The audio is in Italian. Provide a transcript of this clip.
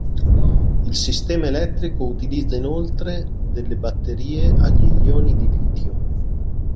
Il sistema elettrico utilizza inoltre delle batterie agli ioni di litio.